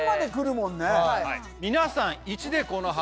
皆さん。